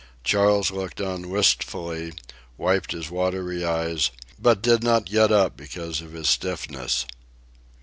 Charles looked on wistfully, wiped his watery eyes, but did not get up because of his stiffness.